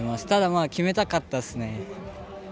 ただ、決めたかったっすね。